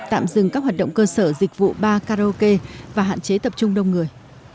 tạm dừng các hoạt động cơ sở dịch vụ ba karaoke và hạn chế tập trung đông người